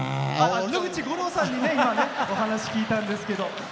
野口五郎さんに今、お話を聞いたんですけど。